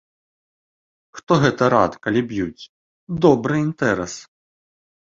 Хто гэта рад, калі б'юць, добры інтэрас!